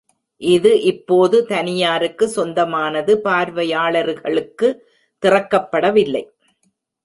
இது இப்போது தனியாருக்கு சொந்தமானது, பார்வையாளர்களுக்கு திறக்கப்படவில்லை.